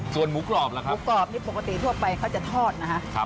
ส่วนหมูกรอบล่ะครับหมูกรอบนี่ปกติทั่วไปเขาจะทอดนะคะ